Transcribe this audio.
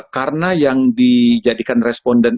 karena yang dijadikan responden